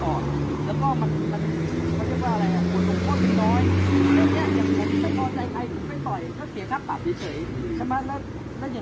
ตอนนี้กำหนังไปคุยของผู้สาวว่ามีคนละตบ